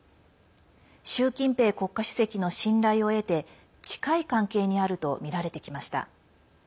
習近平国家主席の信頼を得て近い関係にあるとみられてきました。